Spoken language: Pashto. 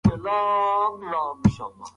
هغه په خپل پوهنتون کي کمپيوټر پوهنه لولي.